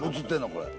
これ。